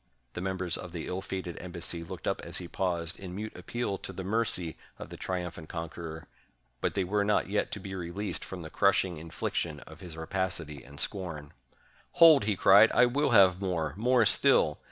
The members of the ill fated embassy looked up as he 539 ROME paused, in mute appeal to the mercy of the triumphant conqueror; but they were not yet to be released from the crushing infliction of his rapacity and scorn. "Hold!" he cried, "I will have more — more still!